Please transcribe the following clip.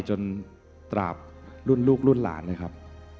จนตราบรุ่นลูกรุ่นหลานเลยครับ